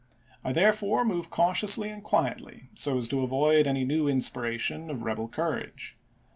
I therefore move cautiously and quietly, so as to avoid any new inspiration of rebel courage.